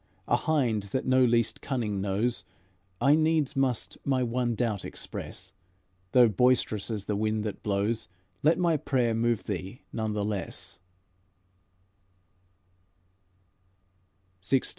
A hind that no least cunning knows, I needs must my one doubt express; Though boisterous as the wind that blows, Let my prayer move thee none the less."